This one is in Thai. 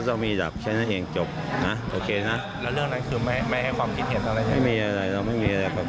ท่านท่านสำรวม